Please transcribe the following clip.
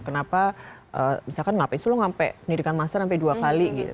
kenapa misalkan ngapain sih lo sampai pendidikan massa sampai dua kali gitu